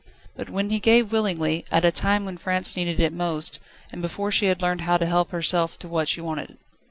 But when he gave willingly, at a time when France needed it most, and before she had learned how to help herself to what she wanted.